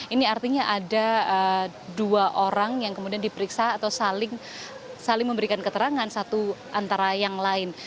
ini artinya ada dua orang yang kemudian diperiksa atau saling memberikan keterangan satu antara yang lain